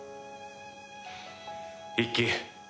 一輝